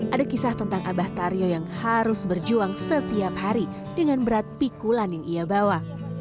ada kisah tentang abah taryo yang harus berjuang setiap hari dengan berat pikulan yang ia bawa